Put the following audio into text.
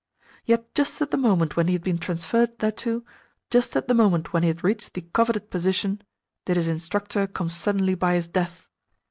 Yet just at the moment when he had been transferred thereto, just at the moment when he had reached the coveted position, did his instructor come suddenly by his death!